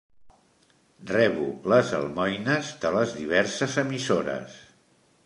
Rebo les almoines de les diverses emissores.